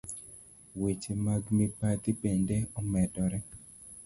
Weche mag mibadhi bende omedore.